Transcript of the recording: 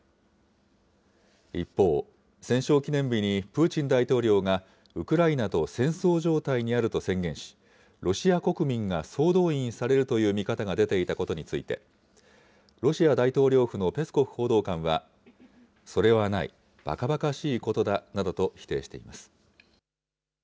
一方、戦勝記念日にプーチン大統領がウクライナと戦争状態にあると宣言し、ロシア国民が総動員されるという見方が出ていたことについて、ロシア大統領府のペスコフ報道官は、それはない、ばかばかしいことだなどと否定しています。